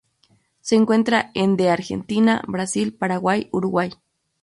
Se encuentra en de Argentina, Brasil, Paraguay, Uruguay.